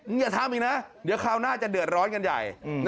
อย่าทำอีกนะเดี๋ยวคราวหน้าจะเดือดร้อนกันใหญ่